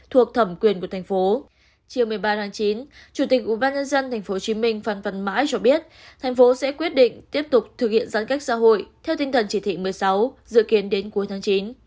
thành phố sẽ quyết định tiếp tục thực hiện giãn cách xã hội theo tinh thần chỉ thị một mươi sáu dự kiến đến cuối tháng chín